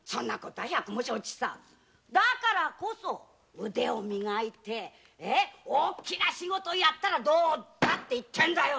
百も承知さだから腕をもっと磨いて大きな仕事をやったらどうだって言ってんだよ